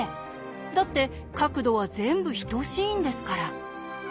だって角度は全部等しいんですから。